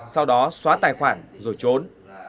sau đó xóa tài khoản rồi trốn